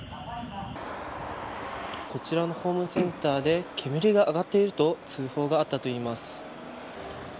こちらのホームセンターで煙が上がっていると通報があったといいます。